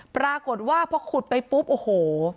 ปรากฏว่าพอขุดไปปุ๊บโอ้โห